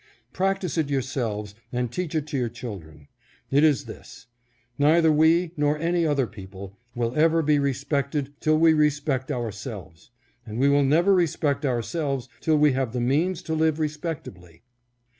Practice it yourselves and teach it to your children. It is this: neither we, nor any other people, will ever be respected till we respect ourselves, and we will never respect our selves till we have the means to live respectably.